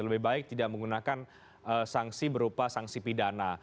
lebih baik tidak menggunakan sanksi berupa sanksi pidana